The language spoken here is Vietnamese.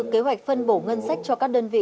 kế hoạch phân bổ ngân sách cho các đơn vị